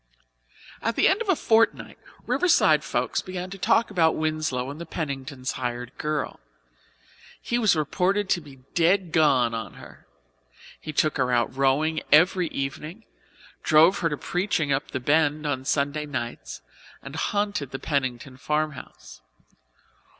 At the end of a fortnight Riverside folks began to talk about Winslow and the Penningtons' hired girl. He was reported to be "dead gone" on her; he took her out rowing every evening, drove her to preaching up the Bend on Sunday nights, and haunted the Pennington farmhouse.